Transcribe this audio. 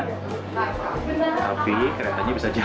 nggak ada orang sama sebagainya